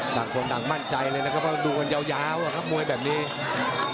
ต่างมั่นใจเลยนะครับดูกันยาวอ่ะครับมวยแบบนี้